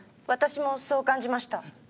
私もそう感じました。